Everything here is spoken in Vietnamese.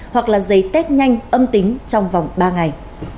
hoặc là giấy test nhanh âm tính trong vòng ba ngày